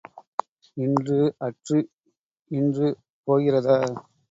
இன்று அற்று இன்று போகிறதா?